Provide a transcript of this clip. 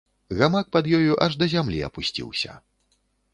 Гамак пад ёю аж да зямлі апусціўся.